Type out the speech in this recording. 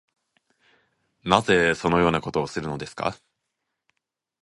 なぜそのようなことをするのですか